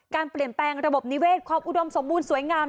การเปลี่ยนแปลงระบบนิเวศความอุดมสมบูรณ์สวยงาม